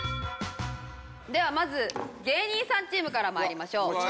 ではまず芸人さんチームから参りましょう。